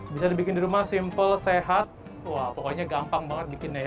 bisa dibikin di rumah simple sehat wah pokoknya gampang banget bikinnya ya